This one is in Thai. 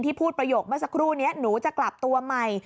พูดประโยคเมื่อสักครู่นี้หนูจะกลับตัวใหม่